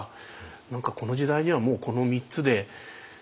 何かこの時代にはもうこの３つで手詰まり。